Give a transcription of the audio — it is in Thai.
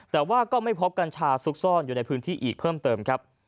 แต่ว่าก็ไม่พบกัญชาซุกซ่อนอยู่ในพื้นที่อีกเพิ่มเติมครับ